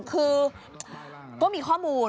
คือก็มีข้อมูล